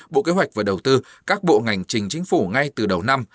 bộ kế hoạch và đầu tư các bộ ngành trình chính phủ ngay từ đầu năm